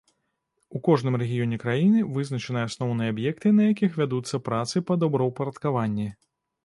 У кожным рэгіёне краіны вызначаныя асноўныя аб'екты, на якіх вядуцца працы па добраўпарадкаванні.